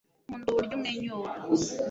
nkunda uburyo umwenyura